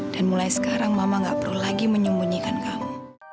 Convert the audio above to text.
dan mulai sekarang mama gak perlu lagi menyembunyikan kamu